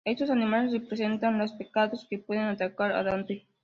Estos animales representan los pecados que pueden atacar a Dante.